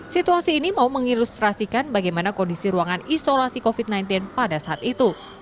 situasi ini mau mengilustrasikan bagaimana kondisi ruangan isolasi covid sembilan belas pada saat itu